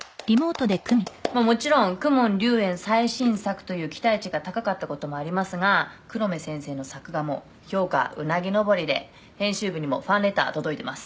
「もちろん公文竜炎最新作という期待値が高かったこともありますが黒目先生の作画も評価ウナギ上りで編集部にもファンレター届いてます」